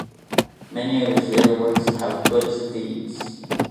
Many of his later works have Buddhist themes.